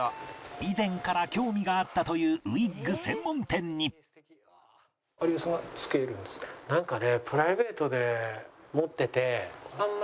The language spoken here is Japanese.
以前から興味があったというウィッグ専門店になんかね。